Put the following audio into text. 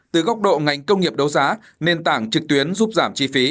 từ góc độ ngành công nghiệp đấu giá nền tảng trực tuyến giúp giảm chi phí